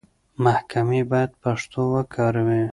محکمې بايد پښتو وکاروي.